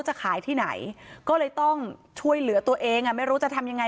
จะขายที่ไหนก็เลยต้องช่วยเหลือตัวเองอ่ะไม่รู้จะทำยังไง